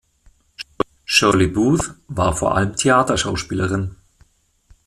Shirley Booth war vor allem Theaterschauspielerin.